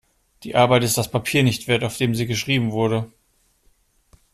Die Arbeit ist das Papier nicht wert, auf dem sie geschrieben wurde.